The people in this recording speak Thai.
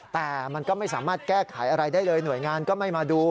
แต่มันก็ไม่สามารถแก้ไขอะไรได้เลยหน่วยงานก็ไม่มาดู